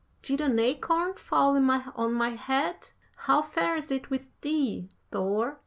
did an acorn fall on my head? How fares it with thee, Thor?'